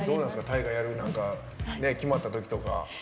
大河、決まったときとか。